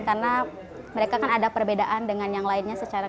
karena mereka kan ada perbedaan dengan yang lainnya secara kesehatan gitu